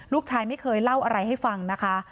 ลูกชายไม่เคยเล่าอะไรให้ฟังนะคะ